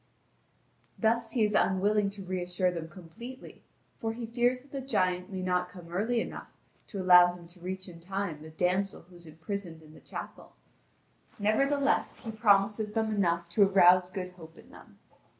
Thus he is unwilling to reassure them completely, for he fears that the giant may not come early enough to allow him to reach in time the damsel who is imprisoned in the chapel. Nevertheless, he promises them enough to arouse good hope in them.